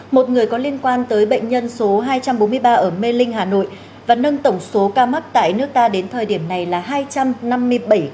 một người có liên quan tới bệnh nhân số hai trăm bốn mươi ba ở mê linh hà nội và nâng tổng số ca mắc tại nước ta đến thời điểm này là hai trăm năm mươi bảy ca